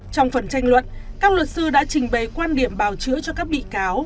trong phần tranh luận các luật sư đã trình bày quan điểm bào chữa cho các bị cáo